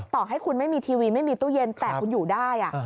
ต่อให้คุณไม่มีทีวีไม่มีตู้เย็นแต่คุณอยู่ได้